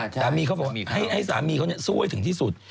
สามีเขาบอกให้สามีเขาสู้ให้ถึงที่สุด